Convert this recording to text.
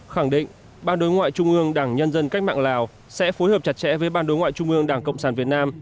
khẳng định ban đối ngoại trung ương đảng nhân dân cách mạng lào sẽ phối hợp chặt chẽ với ban đối ngoại trung ương đảng cộng sản việt nam